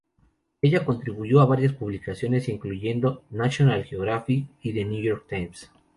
Ella contribuyó a varias publicaciones, incluyendo "National Geographic" y "The New York Times".